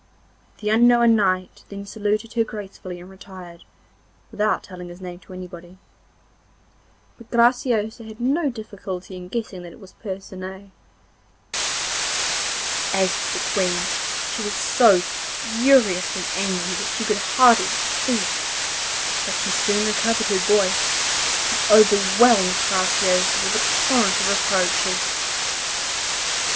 The unknown knight then saluted her gracefully and retired, without telling his name to anybody. But Graciosa had no difficulty in guessing that it was Percinet. As to the Queen, she was so furiously angry that she could hardly speak; but she soon recovered her voice, and overwhelmed Graciosa with a torrent of reproaches.